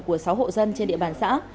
của sáu hộ dân trên địa bàn xã